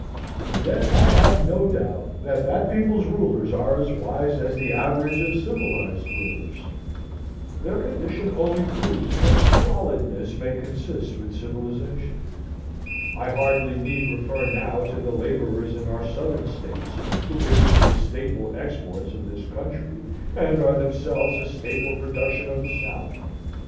Yet I have no doubt that that people's rulers are as wise as the average of civilized rulers. Their condition only proves what squalidness may consist with civilization. I hardly need refer now to the laborers in our Southern States who produce the staple exports of this country, and are themselves a staple production of the South.